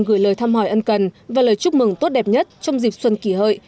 gửi lời thăm hỏi ân cần và lời chúc mừng tốt đẹp nhất trong dịp xuân kỷ hợi